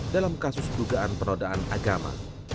dalam kasus dugaan penodaan agama